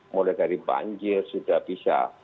mulai dari banjir sudah bisa